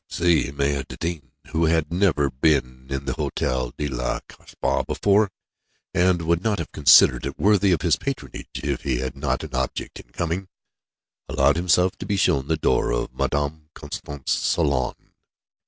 Si Maïeddine who had never been in the Hotel de la Kasbah before, and would not have considered it worthy of his patronage if he had not had an object in coming allowed himself to be shown the door of Madame Constant's salon.